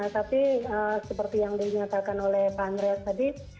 tapi seperti yang dinyatakan oleh pak amin rais tadi